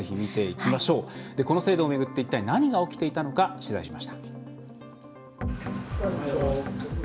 この制度をめぐって一体何が起きていたのか取材しました。